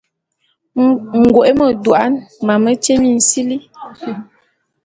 Ngoe medouan, mametye minsili.